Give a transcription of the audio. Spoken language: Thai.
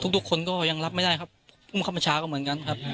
ทุกคนก็ยังรับไม่ได้ครับผู้บังคับบัญชาก็เหมือนกันครับ